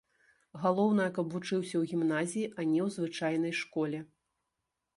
Галоўнае, каб вучыўся ў гімназіі, а не ў звычайнай школе.